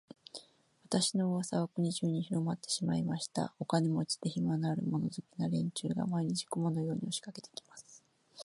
私の噂は国中にひろまってしまいました。お金持で、暇のある、物好きな連中が、毎日、雲のように押しかけて来ます。